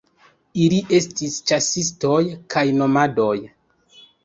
Ili estis ĉasistoj kaj nomadoj.